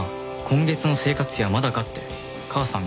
今月の生活費はまだか？って母さんが。